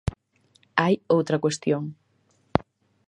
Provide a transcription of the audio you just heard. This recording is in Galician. Hai outra cuestión.